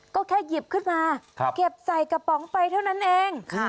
ก็แค่หยิบขึ้นมาเก็บใส่กระป๋องไปเท่านั้นเอง